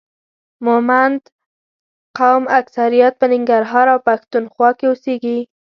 مومند قوم اکثریت په ننګرهار او پښتون خوا کې اوسي